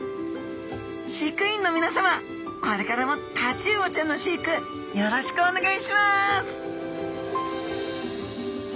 飼育員のみなさまこれからもタチウオちゃんの飼育よろしくお願いします！